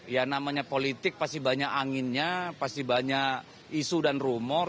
ya namanya politik pasti banyak anginnya pasti banyak isu dan rumor